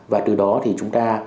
và từ đó thì chúng ta